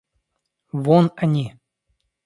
Вон они!